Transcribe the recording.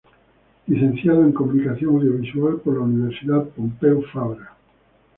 Licenciada en Comunicación Audiovisual por la Universidad Pompeu Fabra.